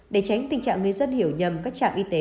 để tránh tình trạng người dân hiểu nhầm các trạm y tế